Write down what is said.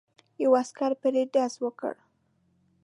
یو عسکر پرې ډز وکړ.